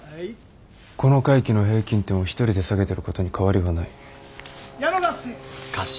この回期の平均点を一人で下げてることに変わりはない。